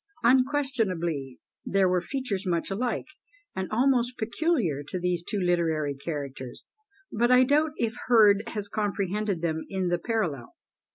Unquestionably there were features much alike, and almost peculiar to these two literary characters; but I doubt if Hurd has comprehended them in the parallel.